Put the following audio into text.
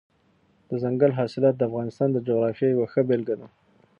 دځنګل حاصلات د افغانستان د جغرافیې یوه ښه بېلګه ده.